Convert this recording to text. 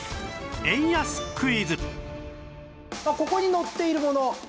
ここに載っているもの